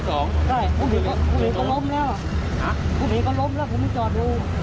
หน่อยชนทางรถเหรอ